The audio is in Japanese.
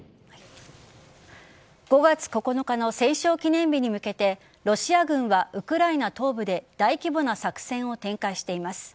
５月９日の戦勝記念日に向けてロシア軍はウクライナ東部で大規模な作戦を展開しています。